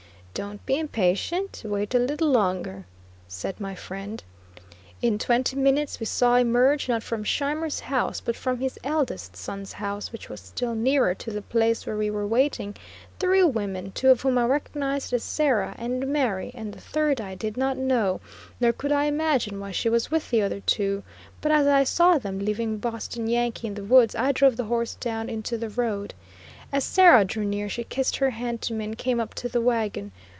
"Don't be impatient; wait a little longer," said my friend. In twenty minutes we saw emerge, not from Scheimer's house, but from his eldest son's house, which was still nearer to the place where we were waiting, three women, two of whom I recognized as Sarah and Mary, and the third I did not know, nor could I imagine why she was with the other two; but as I saw them, leaving Boston Yankee in the woods, I drove the horse down into the road. As Sarah drew near she kissed her hand to me and came up to the wagon.